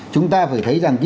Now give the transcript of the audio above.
chúng ta phải thấy rằng